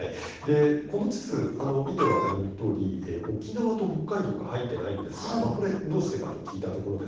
この地図見て分かるとおり沖縄と北海道が入ってないんですがこれ、どうしてかと聞いたところ